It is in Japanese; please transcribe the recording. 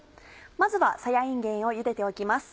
まずはさやいんげんをゆでておきます。